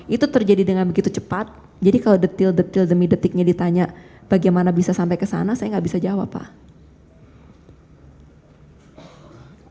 itu terjadi dengan begitu cepat jadi kalau detil detil demi detiknya ditanya bagaimana bisa sampai ke sana saya nggak bisa jawab pak